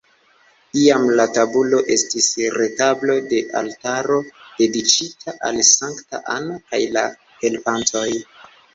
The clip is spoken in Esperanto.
Iam la tabulo estis retablo de altaro dediĉita al Sankta Anna kaj la helpantoj.